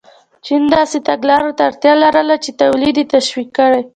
چین داسې تګلارو ته اړتیا لرله چې تولید یې تشویق کړي.